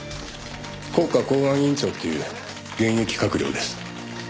「国家公安委員長っていう現役閣僚です」